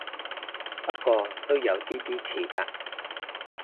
不過都有啲啲似嘅